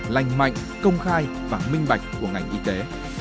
lành mạnh công khai và minh bạch của ngành y tế